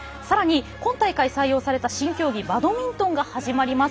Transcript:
今大会採用された新競技バドミントンが始まります。